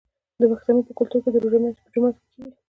د پښتنو په کلتور کې د روژې ماتی په جومات کې کیږي.